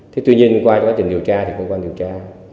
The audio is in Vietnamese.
thế tuy nhiên qua quá trình điều tra thì cũng qua điều tra